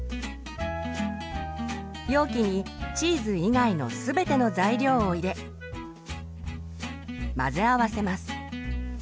容器にチーズ以外の全ての材料を入れ混ぜ合わせます。